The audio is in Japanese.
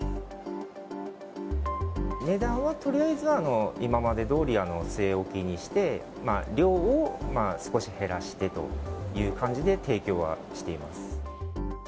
値段はとりあえずは今までどおり据え置きにして、量を少し減らしてという感じで提供はしています。